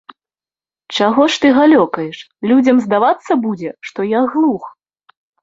Чаго ж ты галёкаеш, людзям здавацца будзе, што я глух.